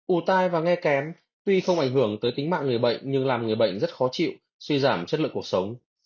ủ tai và nghe kém tuy không ảnh hưởng tới tính mạng người bệnh nhưng làm người bệnh rất khó chịu suy giảm chất lượng cuộc sống